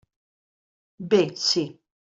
Bé, sí.